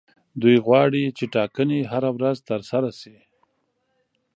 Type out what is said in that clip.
دوی غواړي چې ټاکنې هره ورځ ترسره شي.